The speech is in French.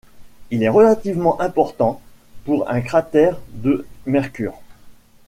Il est relativement important pour un cratère de Mercure.